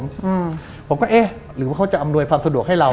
ผมฝึกว่าเห้ยหรือว่าเค้าจะอำนวยคำสะดวกให้เราน่ะ